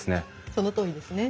そのとおりですね。